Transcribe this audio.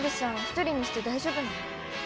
一人にして大丈夫なの？